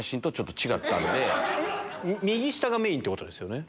右下がメインってことですよね。